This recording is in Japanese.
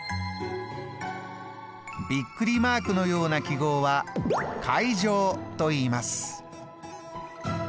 ビックリマークのような記号は階乗といいます。